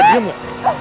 lo bisa diam gak